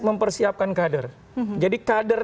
mempersiapkan kader jadi kader